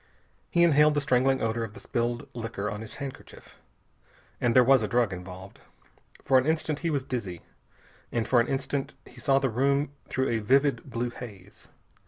He inhaled the strangling odor of the spilled liquor on his handkerchief. And there was a drug involved. For an instant he was dizzy, and for an instant he saw the room through a vivid blue haze.